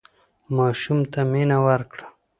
ماشوم ته مينه ورکړه